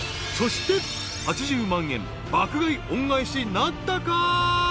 ［そして８０万円爆買い恩返しなったか？］